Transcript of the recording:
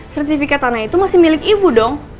sertifikat tanah itu masih milik ibu dong